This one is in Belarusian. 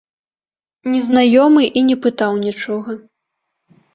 Незнаёмы і не пытаў нічога.